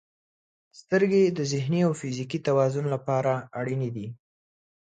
• سترګې د ذهني او فزیکي توازن لپاره اړینې دي.